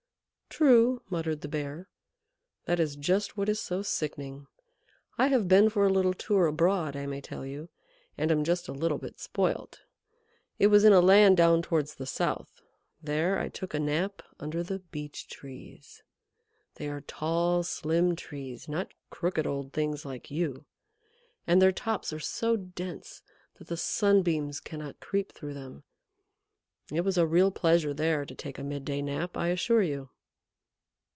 "True," muttered the Bear. "That is just what is so sickening. I have been for a little tour abroad, I may tell you, and am just a little bit spoilt. It was in a land down towards the south there I took a nap under the Beech Trees. They are tall, slim Trees, not crooked old things like you. And their tops are so dense that the sunbeams cannot creep through them. It was a real pleasure there to take a midday nap, I assure you."